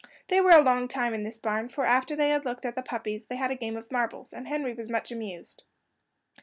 They were a long time in this barn, for after they had looked at the puppies they had a game at marbles, and Henry was much amused.